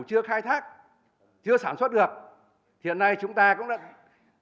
chưa khai thác chưa sản xuất được hiện nay chúng ta cũng đã đẩy mạnh